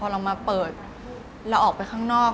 แต่พอเรามาเปิดเราออกไปครั้งนอก